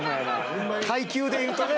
階級で言うとね。